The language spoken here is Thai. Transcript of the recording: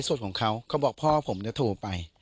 ในไลก์ส่วนของเขาเขาบอกพ่อผมจะโทรไป